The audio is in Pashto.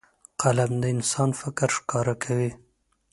قلم د انسان فکر ښکاره کوي